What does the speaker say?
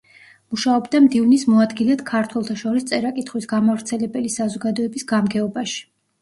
მუშაობდა მდივნის მოადგილედ ქართველთა შორის წერა-კითხვის გამავრცელებელი საზოგადოების გამგეობაში.